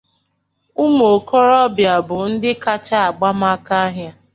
Ụmụikorobịa bụ ndị kacha agba m aka ahịa